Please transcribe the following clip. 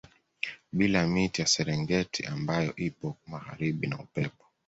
Bila miti ya Serengeti ambayo iko magharibi na Upepo